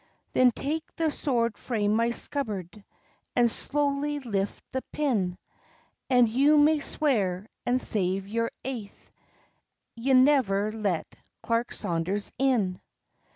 '" "Then take the sword frae my scabbard, And slowly lift the pin; And you may swear, and save your aith. Ye never let Clerk Saunders in.